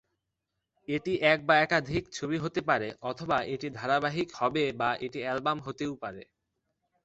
এটি এক বা একাধিক ছবি হতে পারে অথবা এটি ধারাবাহিক হবে বা এটি অ্যালবাম হতেও পারে।